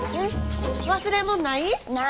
忘れ物ない？ない。